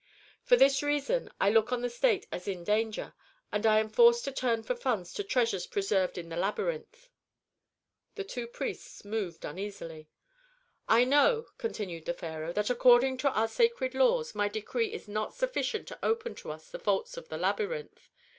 "For this reason I look on the state as in danger, and I am forced to turn for funds to treasures preserved in the labyrinth." The two priests moved uneasily. "I know," continued the pharaoh, "that according to our sacred laws my decree is not sufficient to open to us the vaults of the labyrinth.